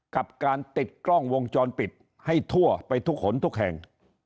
กับการติดกล้องวงจรปิดให้ทั่วไปทุกขนทุกแห่ง